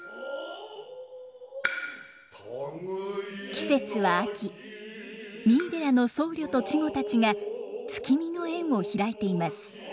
季節は秋三井寺の僧侶と稚児たちが月見の宴を開いています。